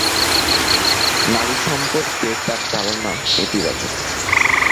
নারী সম্পর্কে তার ধারণা নেতিবাচক।